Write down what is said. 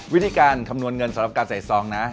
วิธีการคำนวณเงินสำหรับการใส่ซองนะ